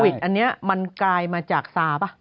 โควิดอันนี้มันกลายมาจากซาปะ